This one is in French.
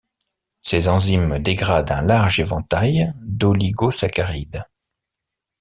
Ces enzymes dégradent un large éventail d’oligosaccharides.